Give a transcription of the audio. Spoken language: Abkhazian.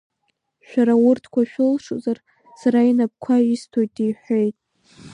Шәара урҭқәа шәылшозар, сара инапқәа исҭоит, — иҳәеит.